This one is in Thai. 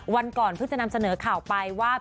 วันก่อนเพิ่งจะนำเสนอข่าวไปว่า